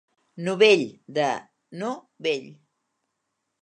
Novell: "De no-vell".